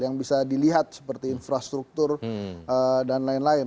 yang bisa dilihat seperti infrastruktur dan lain lain